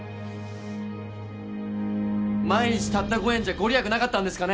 毎日たった５円じゃ御利益なかったんですかね